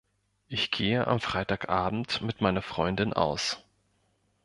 Ich gehe am Freitagabend mit meiner Freundin aus.